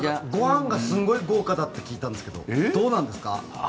ご飯がすごい豪華だって聞いたんですけどどうなんですか？